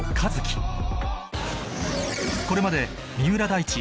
これまで三浦大知